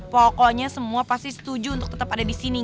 pokoknya semua pasti setuju untuk tetap ada disini